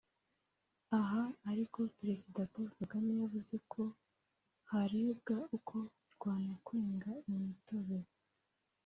aha ariko Perezida Paul Kagame yavuze ko harebwa uko rwanakwenga imitobe